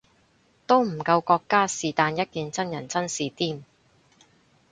都唔夠國家是但一件真人真事癲